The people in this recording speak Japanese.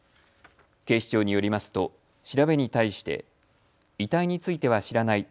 警視庁によりますと調べに対して遺体については知らない。